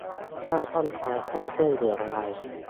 ถ้าต้องการให้ช่วยเหลืออะไร